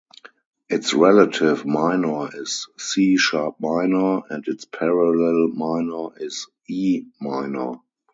Its relative minor is C-sharp minor, and its parallel minor is E minor.